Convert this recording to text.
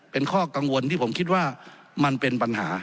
เป็นข้อกังวลที่ผมคิดว่ามันเป็นปัญหา